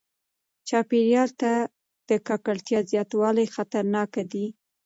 چاپیریال ته د ککړتیا زیاتوالی خطرناک دی.